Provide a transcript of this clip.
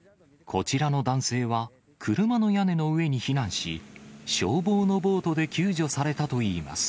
こちらの男性は、車の屋根の上に避難し、消防のボートで救助されたといいます。